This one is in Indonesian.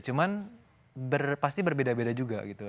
cuman pasti berbeda beda juga gitu